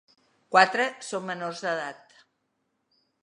Quatre són menors d’edat.